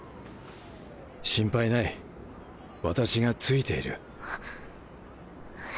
心配ない私がついている。